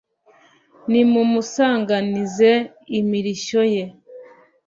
nimumusanganize imirishyo ye